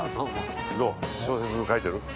どう小説書いてる？